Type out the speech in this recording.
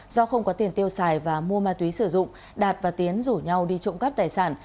do không có tiền tiêu xài và mua ma túy sử dụng đạt và tiến rủ nhau đi trộm cắp tài sản